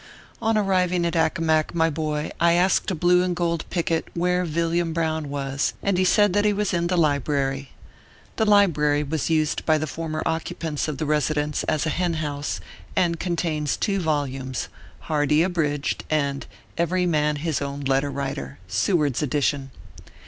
On arriving at Accomac, my boy, I asked a blue and gold picket where Villiam Brown was, and he said that he was in the library. The library was used by the former occupants of the residence as a hen house, and contains two vol umes Hardee abridged, and " Every Man His Own Letter Writer," Seward s edition.